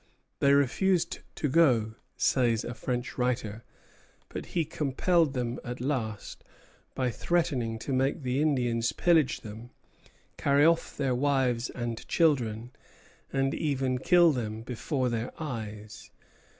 "They refused to go," says a French writer; "but he compelled them at last, by threatening to make the Indians pillage them, carry off their wives and children, and even kill them before their eyes.